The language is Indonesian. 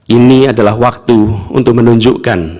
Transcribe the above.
ini adalah waktu untuk menunjukkan